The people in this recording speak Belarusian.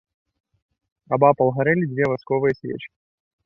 Абапал гарэлі дзве васковыя свечкі.